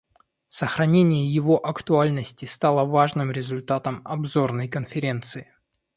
Сохранение его актуальности стало важным результатом Обзорной конференции.